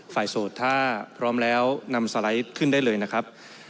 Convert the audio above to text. โสดถ้าพร้อมแล้วนำสไลด์ขึ้นได้เลยนะครับ